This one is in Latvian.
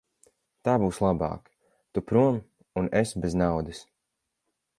Tā būs labāk; tu prom un es bez naudas.